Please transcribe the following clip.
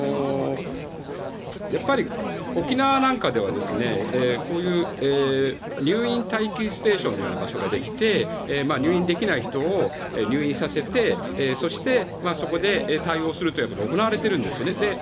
やっぱり沖縄なんかでは入院待機ステーションのような場所ができて入院できない人を入院させてそこで対応するということが行われているんですね。